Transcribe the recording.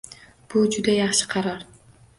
Bu juda yaxshi qaror